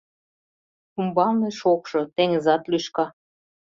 Умбалне шокшо, теҥызат лӱшка